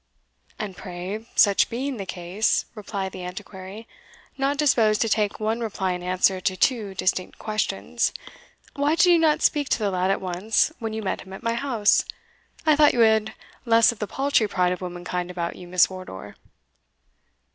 "And pray, such being the case," replied the Antiquary, not disposed to take one reply in answer to two distinct questions, "why did you not speak to the lad at once when you met him at my house? I thought you had less of the paltry pride of womankind about you, Miss Wardour."